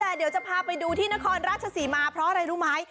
แต่เดี๋ยวจะพาไปดูที่นครราชศรีมาเพราะอะไรรู้ไหม